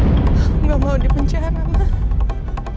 aku gak mau di penjara mbak